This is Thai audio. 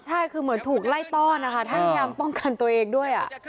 ใช่คือเหมือนถูกไล่ต้อนนะคะท่านพยายามป้องกันตัวเองด้วย